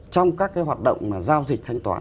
trong các cái hoạt động giao dịch thanh toán